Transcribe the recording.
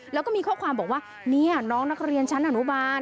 แล้วก็มีข้อความบอกว่านี่น้องนักเรียนชั้นอนุบาล